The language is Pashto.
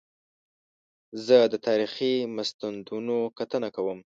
زه د تاریخي مستندونو کتنه کوم.